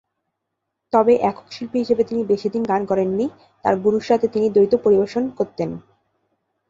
তবে, একক শিল্পী হিসাবে তিনি বেশিদিন গান করেননি, তাঁর গুরুর সাথে তিনি দ্বৈত পরিবেশন করতেন।